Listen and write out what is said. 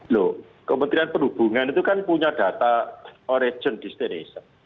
loh kementerian perhubungan itu kan punya data origin destination